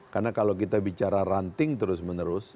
karena kalau kita bicara ranting terus menerus